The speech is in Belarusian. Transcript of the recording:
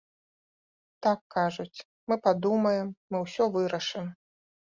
Так, кажуць, мы падумаем, мы ўсё вырашым.